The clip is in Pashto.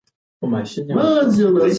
موږ د خپل کلتور د بډاینې لپاره زیار باسو.